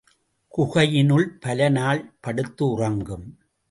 குகையினுள் பல நாள் படுத்து உறங்கும்.